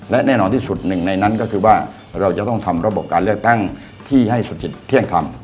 และแน่นอนที่สุดหนึ่งในนั้นก็คือว่าเราจะต้องทำระบบการเลือกตั้งที่ให้สุดจิตเที่ยงคำ